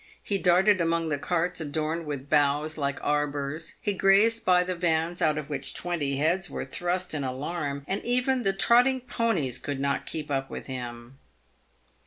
He darted among the carts adorned with boughs like arbours, he grazed by the vans out of which twenty heads were thrust in alarm, and even the trotting ponies could not keep up with him.